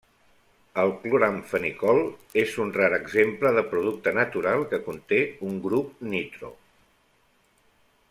El cloramfenicol és un rar exemple de producte natural que conté un grup nitro.